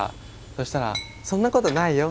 そしたら「そんなことないよ。